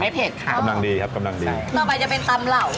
เผ็ดค่ะกำลังดีครับกำลังดีใช่ต่อไปจะเป็นตำเหล่า